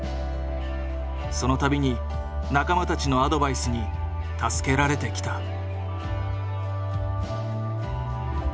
その度に仲間たちのアドバイスに助けられてきた。